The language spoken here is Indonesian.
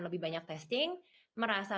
lebih banyak testing merasa